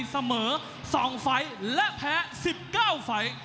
เสมอ๒ไฟล์และแพ้๑๙ไฟล์